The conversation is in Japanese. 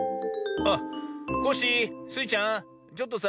あっコッシースイちゃんちょっとさ